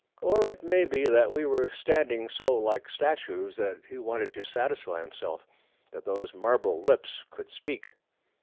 Or it may be that we were standing so like statues that he wanted to satisfy himself that those marble lips could speak.